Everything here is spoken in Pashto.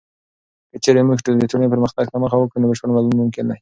که چیرته موږ د ټولنې پرمختګ ته مخه وکړو، نو بشپړ بدلون ممکن دی.